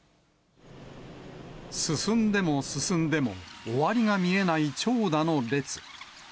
進んでも進んでも、終わりが見えない長蛇の列。